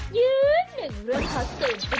โปรดติดตามตอนต่อไป